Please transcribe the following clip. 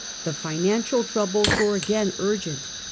The financial troubles were again urgent.